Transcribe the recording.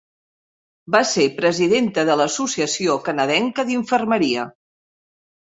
Va ser Presidenta de l'Associació canadenca d'infermeria.